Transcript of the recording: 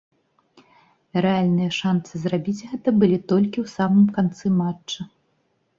Рэальныя шанцы зрабіць гэта былі толькі ў самым канцы матча.